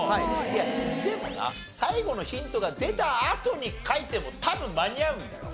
いやでもな最後のヒントが出たあとに書いても多分間に合うんだよ。